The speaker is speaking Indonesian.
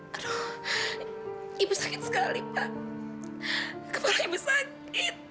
aduh ibu sakit sekali pak kepala ibu sakit